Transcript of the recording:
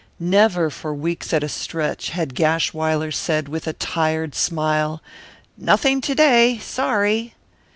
Never, for weeks at a stretch, had Gashwiler said with a tired smile, "Nothing to day sorry!"